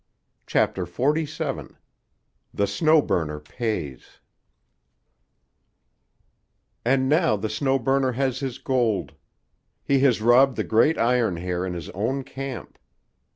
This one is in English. CHAPTER XLVII—THE SNOW BURNER PAYS "And now the Snow Burner has his gold. He has robbed the great Iron Hair in his own camp.